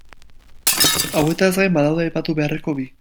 Hauetaz gain badaude aipatu beharreko bi.